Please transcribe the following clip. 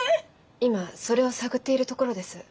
今それを探っているところです。